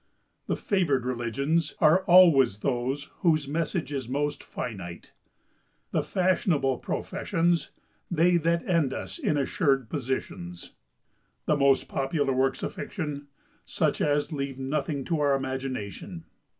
The favoured religions are always those whose message is most finite. The fashionable professions—they that end us in assured positions. The most popular works of fiction, such as leave nothing to our imagination.